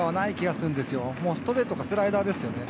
ストレートかスライダーですよね。